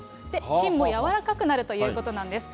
芯も柔らかくなるということなんです。